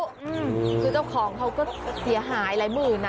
คือเจ้าของเขาก็เสียหายหลายหมื่นอ่ะ